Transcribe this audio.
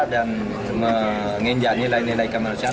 dan menginjani nilai nilai kemanusiaan